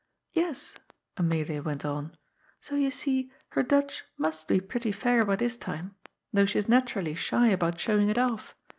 " Yes," Amelia went on, " so you see her Dutch must be pretty fair by this time, though she is naturally shy about showing it off.